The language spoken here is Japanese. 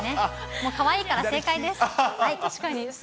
もうかわいいから正解です。